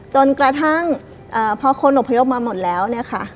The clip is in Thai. จนกระทั่งเพราะคนอบพยมมาหมดแล้วค่ะ